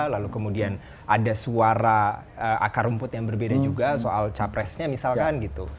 lalu kemudian ada suara akar rumput yang berbeda juga soal capresnya misalkan gitu